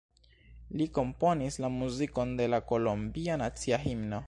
Li komponis la muzikon de la kolombia nacia himno.